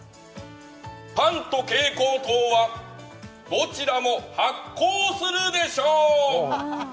パンと蛍光灯はどちらもハッコウするでしょう！